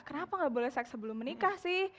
kenapa nggak boleh seks sebelum menikah sih